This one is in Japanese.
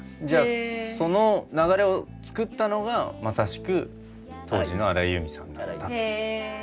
じゃあその流れを作ったのがまさしく当時の荒井由実さんだった。